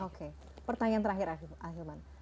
oke pertanyaan terakhir ahilman